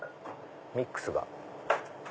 ミックスが。